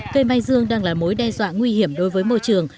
cây mai dương đang là mối đe dọa nguy hiểm đối với môi trường